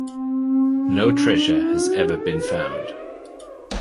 No treasure has ever been found.